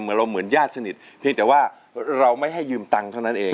เราเหมือนญาติสนิทเพียงแต่ว่าเราไม่ให้ยืมตังค์เท่านั้นเอง